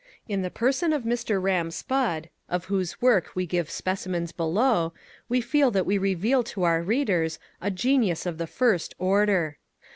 In the person of Mr. Ram Spudd, of whose work we give specimens below, we feel that we reveal to our readers a genius of the first order.